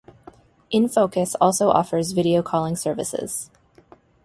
InFocus also offers video calling services.